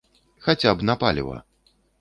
Хаця б на паліва.